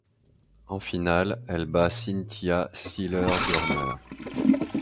En finale, elle bat Cynthia Sieler-Doerner.